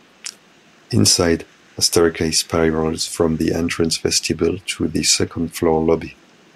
Inside, a staircase spirals from the entrance vestibule to the second-floor lobby.